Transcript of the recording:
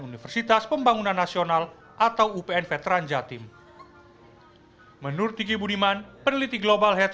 universitas pembangunan nasional atau upn veteran jatim menurut diki budiman peneliti global health